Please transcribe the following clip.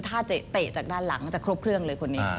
ถ้าเตะจากด้านหลังจะครบเครื่องเลยคนนี้